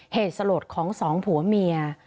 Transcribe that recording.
เหตุสลดของสองผัวเมีย